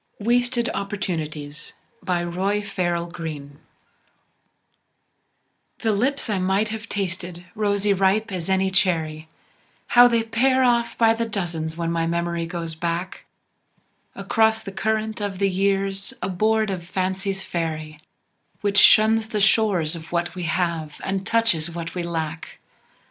WASTED OPPORTUNITIES BY ROY FARRELL GREENE The lips I might have tasted, rosy ripe as any cherry, How they pair off by the dozens when my memory goes back Across the current of the years aboard of Fancy's ferry, Which shuns the shores of What We Have and touches What We Lack.